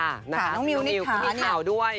ค่ะน้องมิวนิธาเนี่ยคือมีข่าวด้วย